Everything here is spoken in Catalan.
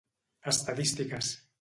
Estadístiques.